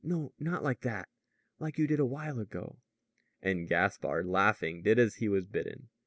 No not like that; like you did a while ago." And Gaspard, laughing, did as he was bidden.